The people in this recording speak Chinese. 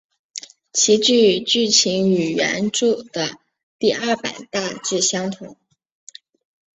其剧剧情与原着的第二版大致相同。